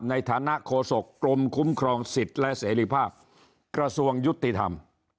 ในฐานะโฆษกรมคุ้มครองสิทธิ์และเสรีภาพกระทรวงยุติธรรม